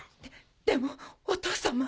ででもお義父様。